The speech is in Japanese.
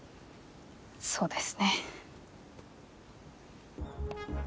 そうですね。